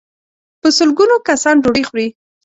په سل ګونو کسان ډوډۍ خوري.